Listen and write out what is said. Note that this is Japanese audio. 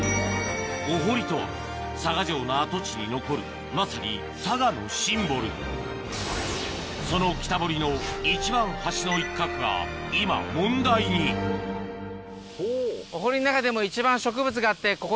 お堀とは佐賀城の跡地に残るまさに佐賀のシンボルその北堀の一番端の一角が今問題にお堀の中でも一番。